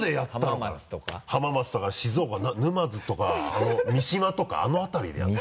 浜松とか静岡沼津とか三島とかあの辺りでやるの？